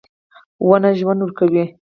• ونه ژوند ورکوي.